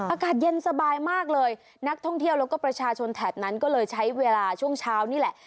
อากาศเย็นสบายมากเลยนักท่องเที่ยวแล้วก็ประชาชนแถบนั้นก็เลยใช้เวลาช่วงเช้านี่แหละ